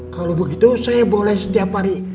kalau begitu saya boleh setiap hari